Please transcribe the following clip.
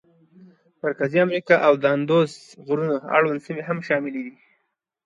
مرکزي امریکا او د اندوس غرونو اړونده سیمې هم شاملې دي.